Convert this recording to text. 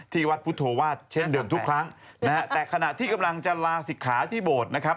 ที่วัดพุทธวาสเช่นเดิมทุกครั้งนะฮะแต่ขณะที่กำลังจะลาศิกขาที่โบสถ์นะครับ